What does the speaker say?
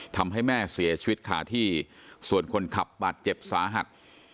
ทำให้แม่เสียชีวิตขาที่ส่วนคนขับบาดเจ็บสาหัส